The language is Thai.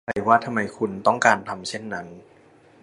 ยังไม่แน่ใจว่าทำไมคุณต้องการทำเช่นนั้น